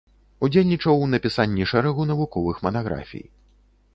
Удзельнічаў у напісанні шэрагу навуковых манаграфій.